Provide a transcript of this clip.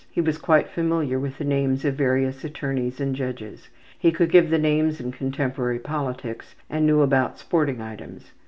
He was quite familiar with the names of various attorneys and judges. He could give the names in contemporary politics, and knew about sporting items.